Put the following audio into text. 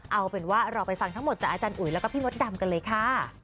เอาเป็นว่าเราไปฟังทั้งหมดจากอาจารย์อุ๋ยแล้วก็พี่มดดำกันเลยค่ะ